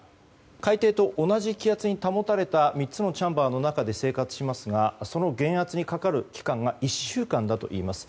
海底と同じ気圧に保たれた３つのチャンバーの中で生活しますがその減圧にかかる期間が１週間だといいます。